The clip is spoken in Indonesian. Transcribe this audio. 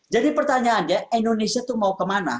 jadi pertanyaannya indonesia itu mau kemana